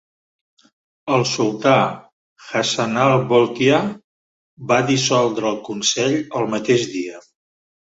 El sultà Hassanal Bolkiah va dissoldre el Consell el mateix dia.